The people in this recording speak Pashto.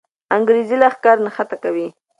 انګریزي لښکر تېښته کوي.